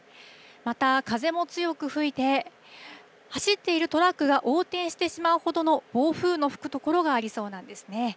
また、風も強く吹いて、走っているトラックが横転してしまうほどの暴風の吹く所がありそうなんですね。